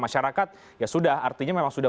masyarakat ya sudah artinya memang sudah